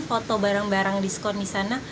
foto barang barang diskon di sana